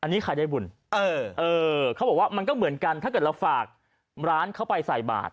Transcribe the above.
นี่ไข่ได้บุญเองก็เหมือนกันถ้าเกิดเราฝากร้านเขาไปใส่บาท